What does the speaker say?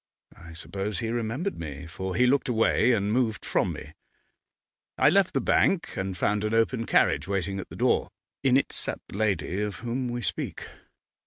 I suppose he remembered me, for he looked away and moved from me. I left the bank, and found an open carriage waiting at the door. In it sat the lady of whom we speak.